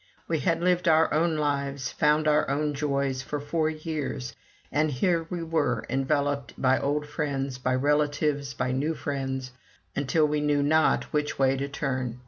We had lived our own lives, found our own joys, for four years, and here we were enveloped by old friends, by relatives, by new friends, until we knew not which way to turn.